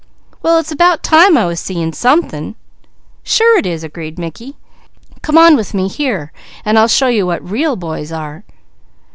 "Well it's about time I was seeing something." "Sure it is," agreed Mickey. "Come on with me here, and I'll show you what real boys are!"